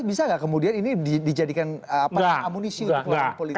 dua ribu sembilan belas bisa enggak kemudian ini dijadikan apa amunisi untuk kemampuan politik